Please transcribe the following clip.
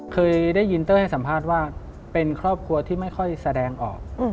เคยได้ยินเต้ยให้สัมภาษณ์ว่าเป็นครอบครัวที่ไม่ค่อยแสดงออก